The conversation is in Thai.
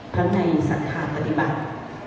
พร้อมในสัทธาปฏิบัติ